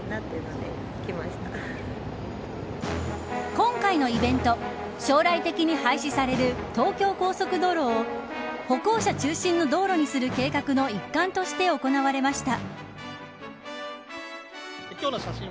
今回のイベント将来的に廃止される東京高速道路を歩行者中心の道路にする計画の一環として行われました。